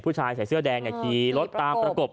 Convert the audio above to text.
ผู้ชายใส่เสื้อแดงขี่รถตามประกบ